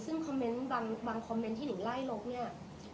ซึ่งบางคอมเมนต์ที่หนึ่งไล่ลบเนี่ย